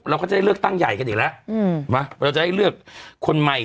เราก็จะได้เลือกตั้งใหญ่กันอีกแล้วเราจะได้เลือกคนใหม่